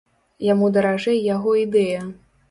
Яму даражэй яго ідэя.